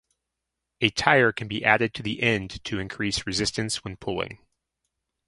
A tire can be added to the end to increase resistance when pulling.